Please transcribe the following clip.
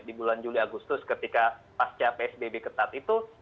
di bulan juli agustus ketika pasca psbb ketat itu